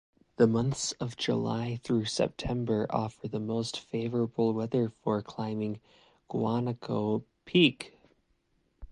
The months July through September offer the most favorable weather for climbing Guanaco Peak.